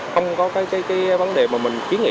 không có vấn đề mà mình kiến nghị